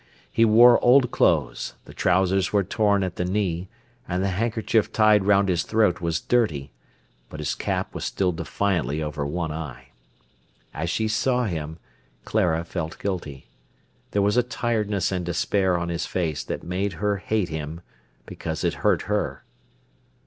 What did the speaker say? He wore old clothes, the trousers were torn at the knee, and the handkerchief tied round his throat was dirty; but his cap was still defiantly over one eye. As she saw him, Clara felt guilty. There was a tiredness and despair on his face that made her hate him, because it hurt her.